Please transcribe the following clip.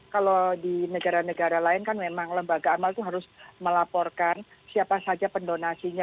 kalau di negara negara lain kan memang lembaga amal itu harus melaporkan siapa saja pendonasinya